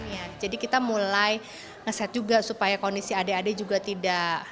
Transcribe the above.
ya jadi kita mulai nge set juga supaya kondisi adik adik juga tidak